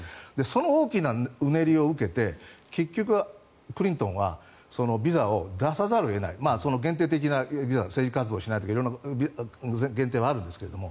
その大きなうねりを受けて結局、クリントンはビザを出さざるを得ない限定的なビザで政治的な活動をしないとか色んな限定はあるんですけど。